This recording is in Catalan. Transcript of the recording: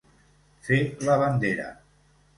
Fer la bandera.